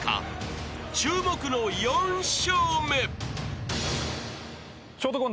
［注目の４笑目］